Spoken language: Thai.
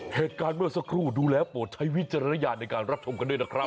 โอ้โฮเหตุการณ์เมื่อสักครู่ดูแลโปรดทยพิจรรยานในการรับชมกันด้วยนะครับ